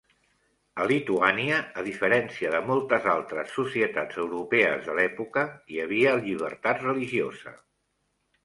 A Lituània, a diferència de moltes altres societats europees de l'època, hi havia llibertat religiosa.